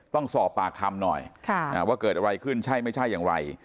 ต้องสอบปากคำหน่อยว่าเกิดอะไรขึ้นใช่ไม่ใช่อย่างไร